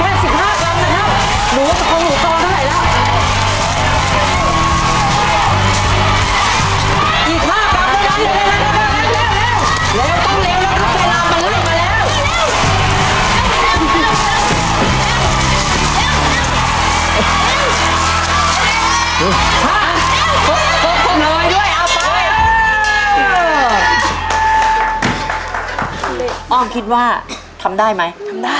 หนูไม่คงหนูตอนก็ได้แล้ว